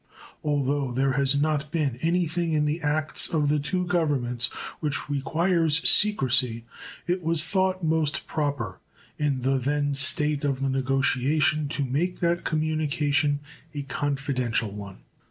Although there has not been any thing in the acts of the two Governments which requires secrecy, it was thought most proper in the then state of the negotiation to make that communication a confidential one.